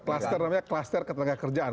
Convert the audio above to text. cluster namanya cluster ketenangan kerjaan